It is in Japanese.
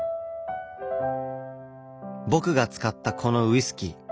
僕が使ったこのウイスキー。